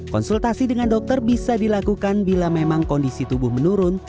konsultasi dengan dokter bisa dilakukan bila memang kondisi tubuh menurun